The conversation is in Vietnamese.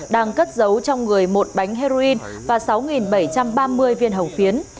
đang cất giấu trong người một bánh heroin và sáu bảy trăm ba mươi viên hồng phiến